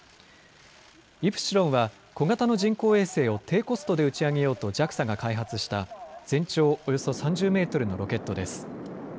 イプシロンは小型の人工衛星を低コストで打ち上げようとＪＡＸＡが開発した全長およそ３０メートルのロケットです。